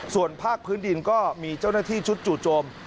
ส่วนภาคพื้นดินก็มีเจ้าหน้าที่ชุดจู่โจม